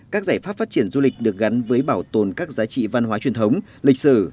các giải pháp phát triển du lịch được gắn với bảo tồn các giá trị văn hóa truyền thống lịch sử